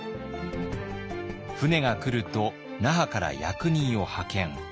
船が来ると那覇から役人を派遣。